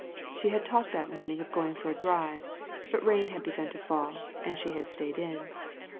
She had talked that morning of going for a drive, but rain had begun to fall, and she had stayed in.